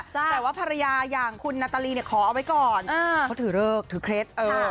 แต่ว่าภรรยาอย่างคุณนาตาลีเนี่ยขอเอาไว้ก่อนเขาถือเลิกถือเคล็ด